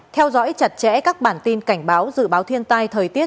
theo dõi chặt chẽ các bản tin cảnh báo dự báo thiên tai thời tiết